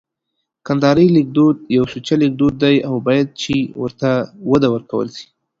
کندهارۍ لیکدود یو سوچه لیکدود دی او باید چي ورته وده ورکول سي